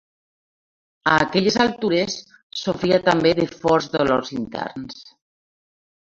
A aquelles altures sofria també de forts dolors interns